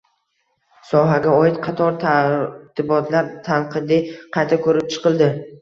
sohaga oid qator tartibotlar tanqidiy qayta ko‘rib chiqildi.